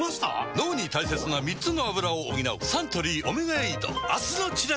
脳に大切な３つのアブラを補うサントリー「オメガエイド」明日のチラシで